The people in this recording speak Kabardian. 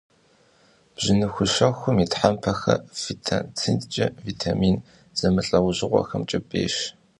Бжьыныхущэхум и тхьэмпэхэр фитонцидкӏэ, витамин зэмылӏэужьыгъуэхэмкӏэ бейщ.